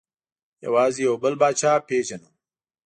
یوازې یو بل پاچا پېژنو.